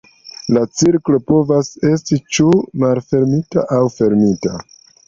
La cirklo povas esti ĉu malfermita aŭ fermita.